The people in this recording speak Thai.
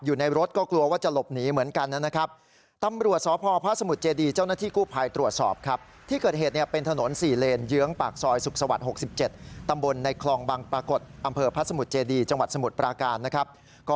อยู่ในรถก็กลัวว่าจะหลบหนีเหมือนกันนะครับ